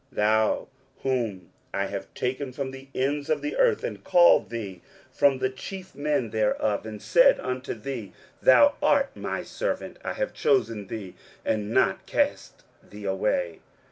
23:041:009 Thou whom I have taken from the ends of the earth, and called thee from the chief men thereof, and said unto thee, Thou art my servant; I have chosen thee, and not cast thee away.